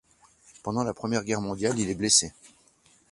Pendant la Première Guerre mondiale, il est blessé.